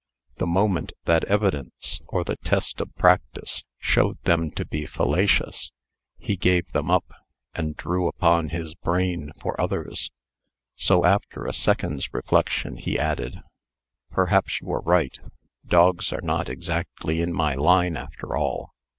The moment that evidence, or the test of practice, showed them to be fallacious, he gave them up, and drew upon his brain for others. So, after a second's reflection, he added: "Perhaps you are right. Dogs are not exactly in my line, after all.